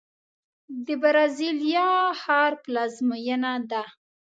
د برازیلیا ښار پلازمینه ده.